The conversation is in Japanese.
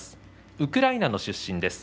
ウクライナの出身ですね